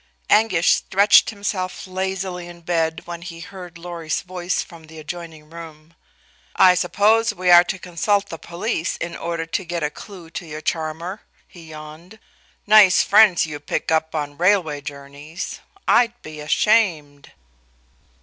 Anguish stretched himself lazily in bed when he heard Lorry's voice from the adjoining room. "I suppose we are to consult the police in order to get a clue to your charmer," he yawned. "Nice friends you pickup on railway journeys. I'd be ashamed."